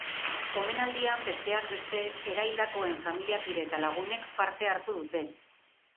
Omenaldian, besteak beste, eraildakoen familiakide eta lagunek parte hartu dute.